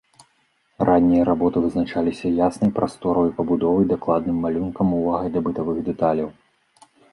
Раннія работы вызначаліся яснай прасторавай пабудовай, дакладным малюнкам, увагай да бытавых дэталяў.